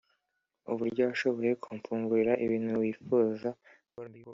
uburyo washoboye kumfungurira ibintu wifuza gukora mbere yuko upfa